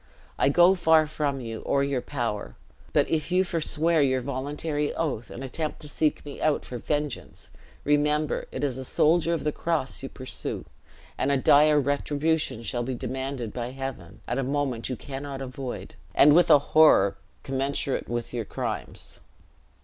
I go far from you, or your power; but if you forswear your voluntary oath, and attempt to seek me out for vengeance, remember it is a soldier of the cross you pursue, and a dire retribution shall be demanded by Heaven, at a moment you cannot avoid, and with a horror commensurate with your crimes."